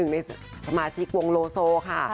ในสมาชิกวงโลโซค่ะ